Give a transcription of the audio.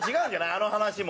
あの話も。